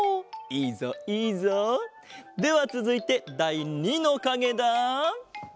いいぞいいぞ！ではつづいてだい２のかげだ。